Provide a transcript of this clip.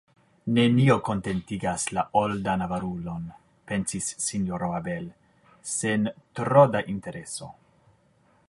Nenio kontentigas la oldan avarulon, pensis Sinjoro Abel sen tro da intereso.